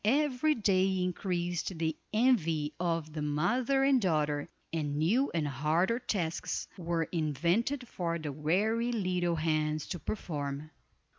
Every day increased the envy of the mother and daughter, and new and harder tasks were invented for the weary little hands to perform.